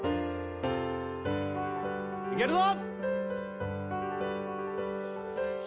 いけるぞ！